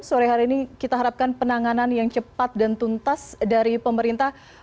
sore hari ini kita harapkan penanganan yang cepat dan tuntas dari pemerintah